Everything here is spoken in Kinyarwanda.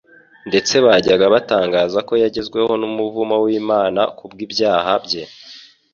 Ndetse bajyaga batangaza ko yagezweho n'umuvumo w'Imana kubw'ibyaha bye.